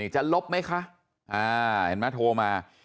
จะลบไหมคะเห็นไหมโทรมา